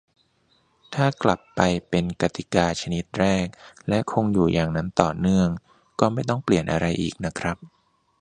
ถ้ากลับไปเป็นกติกาชนิดแรก และคงอยู่อย่างนั้นต่อเนื่อง ก็ไม่ต้องเปลี่ยนอะไรอีกนะครับ